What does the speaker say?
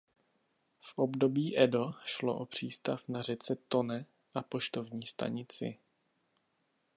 V období Edo šlo o přístav na řece Tone a poštovní stanici.